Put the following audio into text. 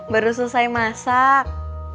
baru selesai masak